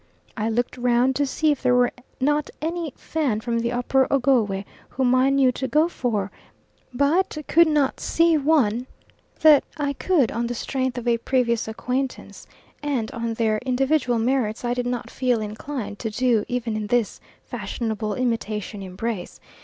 I looked round to see if there was not any Fan from the Upper Ogowe whom I knew to go for, but could not see one that I could on the strength of a previous acquaintance, and on their individual merits I did not feel inclined to do even this fashionable imitation embrace.